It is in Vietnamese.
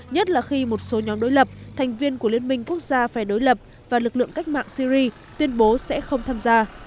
nhất là khi một số nhóm đối lập thành viên của liên minh quốc gia phè đối lập và lực lượng cách mạng syri tuyên bố sẽ không tham gia